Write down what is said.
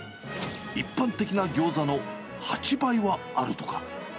一般的なギョーザの８倍はあるとか。